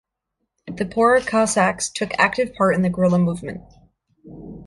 The poorer Cossacks took active part in the guerrilla movement.